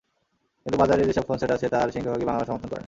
কিন্তু বাজারে যেসব ফোনসেট আছে, তার সিংহভাগই বাংলা সমর্থন করে না।